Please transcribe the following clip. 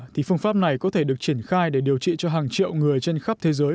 thì phương pháp này có thể được triển khai để điều trị cho hàng triệu người trên khắp thế giới